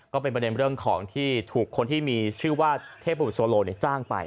ก็เป็นประเด็นเรื่องของที่ถูกคนที่มีชื่อว่าเทพบุตรโซโลจ้างไป